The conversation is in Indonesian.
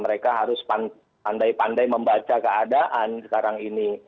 mereka harus pandai pandai membaca keadaan sekarang ini